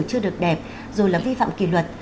chưa được đẹp rồi là vi phạm kỳ luật